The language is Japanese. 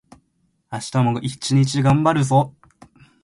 明日も一日がんばるぞ